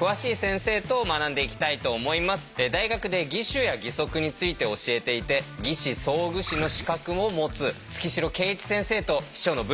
大学で義手や義足について教えていて義肢装具士の資格も持つ月城慶一先生と秘書のブルボンヌさんです。